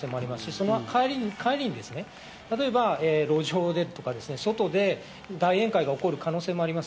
その帰りに、路上でとか外で大宴会が起こる可能性があります。